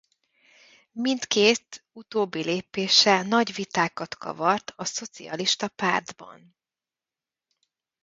Mindkét utóbbi lépése nagy vitákat kavart a Szocialista Pártban.